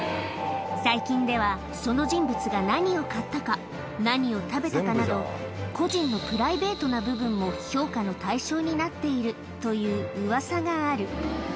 最近では、その人物が何を買ったか、何を食べたかなど、個人のプライベートな部分も評価の対象になっているといううわさ